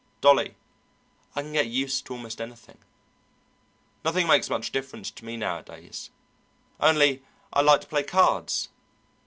Dolly, I can get used to almost anything. Nothing makes much difference to me nowadays only I like to play cards.